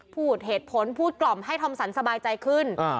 พูดเหตุผลพูดกล่อมให้ทอมสันสบายใจขึ้น